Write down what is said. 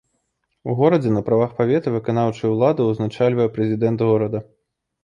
У горадзе на правах павета выканаўчую ўладу ўзначальвае прэзідэнт горада.